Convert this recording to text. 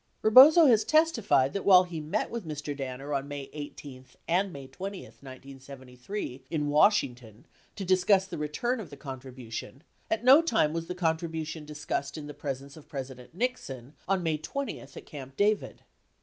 Rebozo has testified that while he met with Mr. Danner on May 18 and May 20, 1973, in Washington to discuss the return of the contribution, at no time was the contribution discussed in the pres ence of President Nixon on May 20 at Camp David.